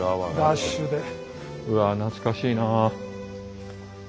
うわ懐かしいな。